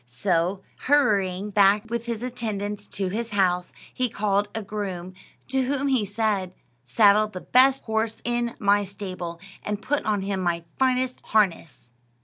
So, hurrying back with his attendants to his house, he called a groom, to whom he said, "Saddle the best horse in my stable, and put on him my finest harness."